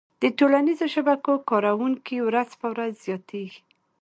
د ټولنیزو شبکو کارونکي ورځ په ورځ زياتيږي